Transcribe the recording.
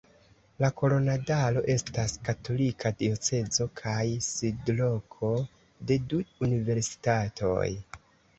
Koronadalo estas katolika diocezo kaj sidloko de du universitatoj.